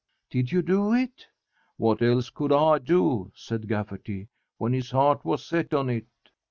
"Did you do it?" "What else could I do," said Gafferty, "when his heart was set on it?"